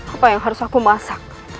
apa yang harus aku masak